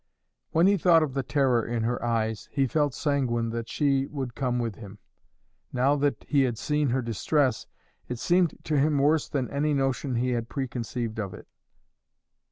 When he thought of the terror in her eyes, he felt sanguine that she would come with him. Now that he had seen her distress, it seemed to him worse than any notion he had preconceived of it.